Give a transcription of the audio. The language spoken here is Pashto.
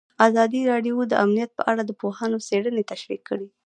ازادي راډیو د امنیت په اړه د پوهانو څېړنې تشریح کړې.